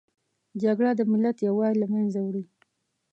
جګړه د ملت یووالي له منځه وړي